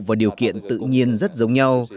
và điều kiện tự nhiên rất giống nhau